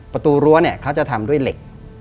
ประตูรั้วเนี่ยเขาจะทำด้วยเหล็ก